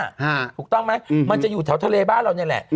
ถูกต้องไหมมันจะอยู่แถวทะเลบ้านเรานี่แหละ